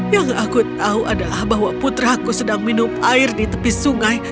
yang aku tahu adalah bahwa putraku sedang minum air di tepi sungai